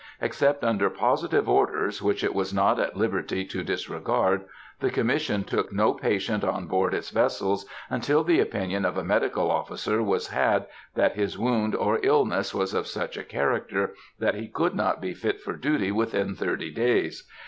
Except under positive orders, which it was not at liberty to disregard, the Commission took no patient on board its vessels until the opinion of a medical officer was had that his wound or illness was of such a character that he could not be fit for duty within thirty days.